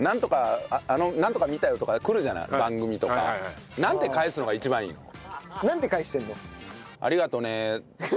「なんとか見たよ」とか来るじゃない番組とか。なんて返すのが一番いいの？なんて返してんの？